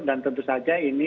dan tentu saja ini